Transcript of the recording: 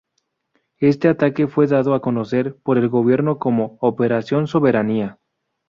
Este ataque fue dado a conocer por el gobierno como "Operación Soberanía".